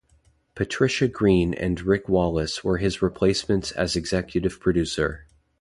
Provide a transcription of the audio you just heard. Patricia Green and Rick Wallace were his replacements as executive producer.